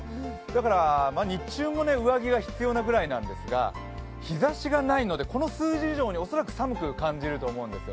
だから日中も上着が必要なくらいなんですが日ざしがないので、この数字以上に恐らく寒く感じると思うんです。